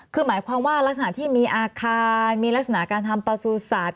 คือหมายความว่ารักษณะที่มีอาคารมีลักษณะการทำประสูจัตว